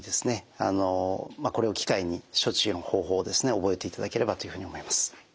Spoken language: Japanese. これを機会に処置の方法を覚えていただければというふうに思います。